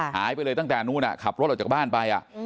หายไปเลยตั้งแต่นู้นขับรถออกจากบ้านไป